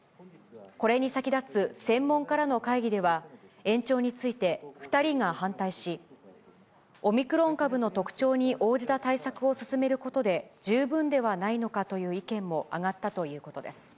これに先立つ専門家らの会議では、延長について２人が反対し、オミクロン株の特徴に応じた対策を進めることで十分ではないのかという意見も上がったということです。